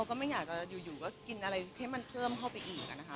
ก็ไม่อยากจะอยู่ก็กินอะไรให้มันเพิ่มเข้าไปอีกนะคะ